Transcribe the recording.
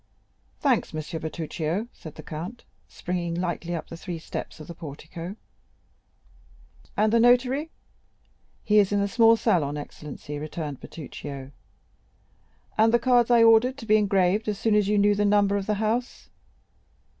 "Thanks, M. Bertuccio," said the count, springing lightly up the three steps of the portico; "and the notary?" "He is in the small salon, excellency," returned Bertuccio. "And the cards I ordered to be engraved as soon as you knew the number of the house?"